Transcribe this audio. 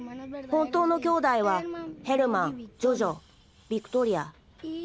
本当のきょうだいはヘルマンジョジョビクトリア。